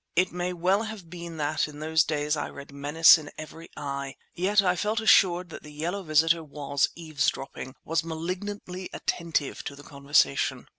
It may well have been that in those days I read menace in every eye, yet I felt assured that the yellow visitor was eavesdropping—was malignantly attentive to the conversation.